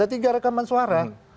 ada tiga rekaman suara